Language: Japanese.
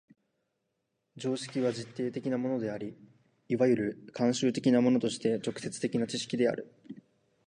常識は実定的なものであり、或る慣習的なものとして直接的な知識である。